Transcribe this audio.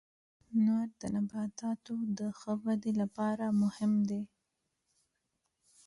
• لمر د نباتاتو د ښه ودې لپاره مهم دی.